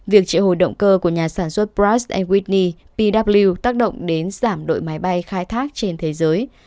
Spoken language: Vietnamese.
việc triệu hồi động cơ của nhà sản xuất pras anwidney pw tác động đến giảm đội máy bay khai thác trên thế giới